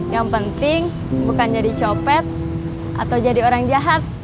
yang penting bukan jadi copet atau jadi orang jahat